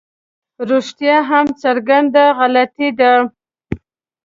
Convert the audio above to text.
رښتیا هم څرګنده غلطي ده.